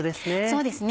そうですね